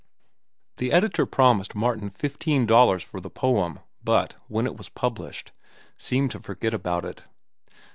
The editor promised Martin fifteen dollars for the poem, but, when it was published, seemed to forget about it.